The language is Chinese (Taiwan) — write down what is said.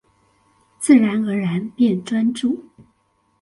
自然而然變專注